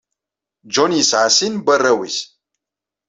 John yesɛa sin n warraw-nnnes.